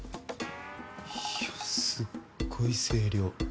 いやすっごい声量。